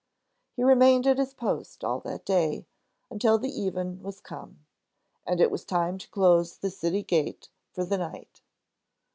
He remained at his post all that day, until the even was come, and it was time to close the city gate for the night.